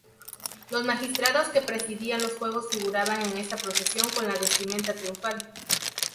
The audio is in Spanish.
Los magistrados que presidían los juegos figuraban en esta procesión con la vestimenta triunfal.